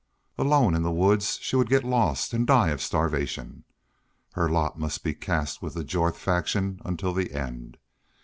Alone in the woods, she would get lost and die of starvation. Her lot must be cast with the Jorth faction until the end.